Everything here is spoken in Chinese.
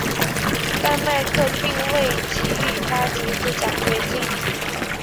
但麦克并未给予他侄子奖学金。